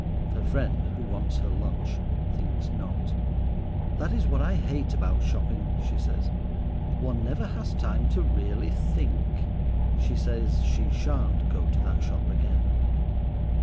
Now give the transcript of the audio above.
Her friend, who wants her lunch, thinks not. "That is what I hate about shopping," she says. "One never has time to really think." She says she shan't go to that shop again.